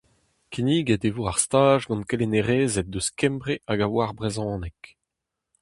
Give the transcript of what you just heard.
Kinniget e vo ar staj gant kelennerezed eus Kembre hag a oar brezhoneg.